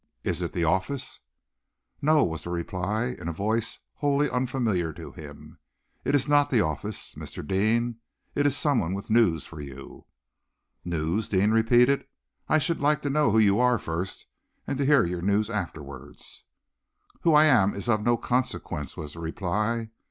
Is it the office?" "No!" was the reply, in a voice wholly unfamiliar to him. "It is not the office, Mr. Deane. It is someone with news for you." "News?" Deane repeated. "I should like to know who you are first, and to hear your news afterwards." "Who I am is of no consequence," was the reply.